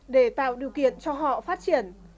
để tạo điều kiện cho họ phát triển